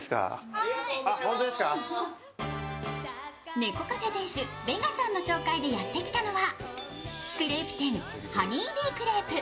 猫カフェ店主・ＶＥＧＡさんの紹介でやってきたのはクレープ店、ハニービークレープ。